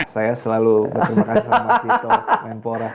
saya selalu berterima kasih sama dito di kemenpora